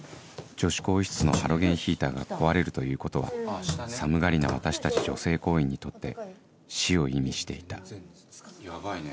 女子更衣室のハロゲンヒーターが壊れるということは寒がりな私たち女性行員にとって死を意味していたヤバいね。